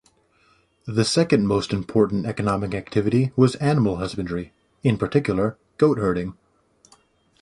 The second most important economic activity was animal husbandry, in particular, goat herding.